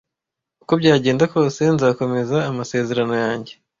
uko byagenda kose, nzakomeza amasezerano yanjye.